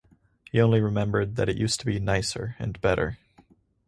He only remembered that it used to be nicer and better.